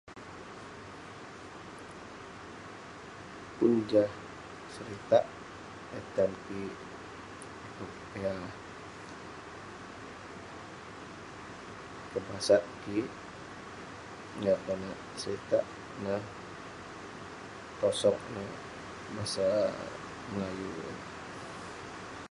Pun jah seritak eh tan kik, yah kebasak kik, yah konak seritak neh tosog neh bahasa melayu..